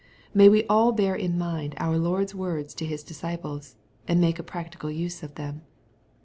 May we all bear in mind our Lord's words to His disci ples, and make a practical use of them.